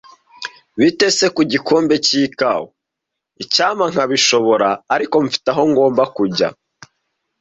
"Bite se ku gikombe cy'ikawa?" "Icyampa nkabishobora, ariko mfite aho ngomba kujya."